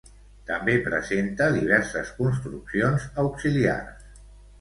També presenta diverses construccions auxiliars.